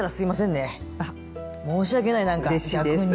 申し訳ないなんか逆に。